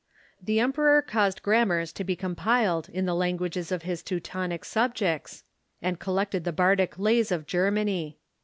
Ihe emperor caused grammars to be compiled in the languages of his Teu tonic subjects, and collected the bardic lays of Germany.